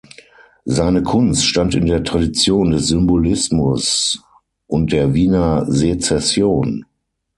Seine Kunst stand in der Tradition des Symbolismus und der Wiener Secession.